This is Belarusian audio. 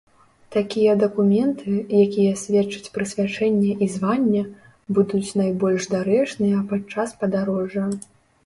Такія дакументы, якія сведчаць прысвячэнне і званне, будуць найбольш дарэчныя падчас падарожжа.